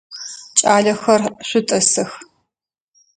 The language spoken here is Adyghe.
Кӏалэхэр, шъутӏысых!